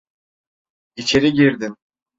İçeri girdim.